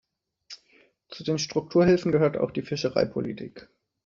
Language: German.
Zu den Strukturhilfen gehört auch die Fischereipolitik.